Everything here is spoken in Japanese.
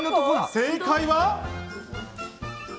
正解は。